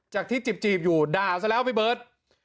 ที่จีบอยู่ด่าซะแล้วพี่เบิร์ต